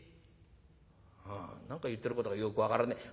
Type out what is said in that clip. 「はあ何か言ってることがよく分からねえ。